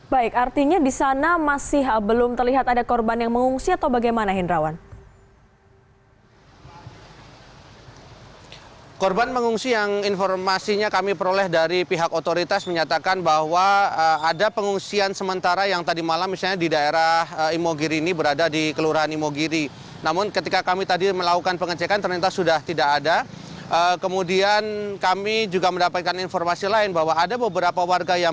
baik artinya di sana masih belum terlihat ada korban yang mengungsi atau bagaimana hindrawan